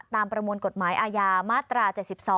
ประมวลกฎหมายอาญามาตรา๗๒